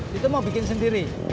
situ mau bikin sendiri